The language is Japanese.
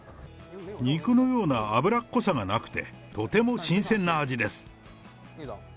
肉のような脂っこさがなくて、とても新鮮な味です。